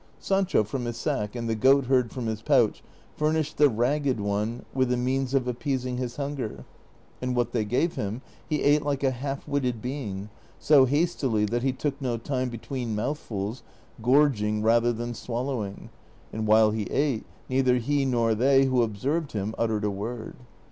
Sancho from his sack, and the goatherd from his pouch, furnished the Ragged One Avith the means of appeasing his hunger, and what they gave him he ate like a half witted being, so hastily that he took no time l)etween monthfuls, gorging rather than swallowing ; and while he ate neither he nor they who observed him uttered a word.